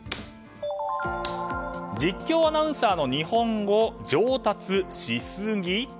実況アナウンサーの日本語上達しすぎ？